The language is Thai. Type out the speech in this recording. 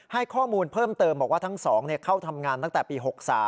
ให้ข้อมูลเพิ่มเติมบอกว่าทั้งสองเข้าทำงานตั้งแต่ปี๖๓